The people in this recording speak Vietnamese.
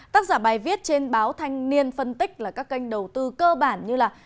tác giả bài viết trên báo thanh niên phân tích là các kênh đầu tư cơ bản như là